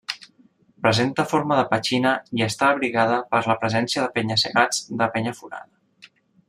Presenta forma de petxina i està abrigada per la presència de penya-segats de penya Forada.